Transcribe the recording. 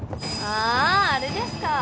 ああれですか。